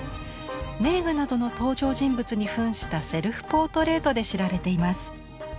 名画などの登場人物にふんしたセルフポートレートで知られています。